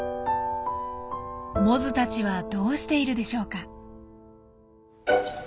モズたちはどうしているでしょうか？